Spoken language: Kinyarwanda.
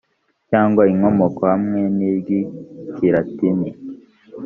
cyangwa inkomoko hamwe n’iry’ikilatini